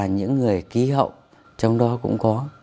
những người ký hậu trong đó cũng có